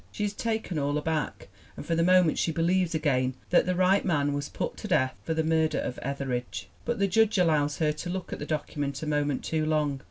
She is taken all aback and for the moment she believes again that the right man was put to death for the murder of Etheridge. But the Judge allows her to look at the document a moment too long.